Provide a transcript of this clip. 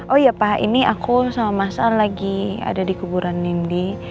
oh iya pak ini aku sama mas an lagi ada di kuburan nindi